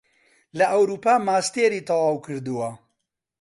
لە ئەوروپا ماستێری تەواو کردووە